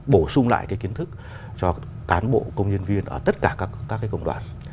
bổ sung lại kiến thức cho cán bộ công nhân viên ở tất cả các công đoàn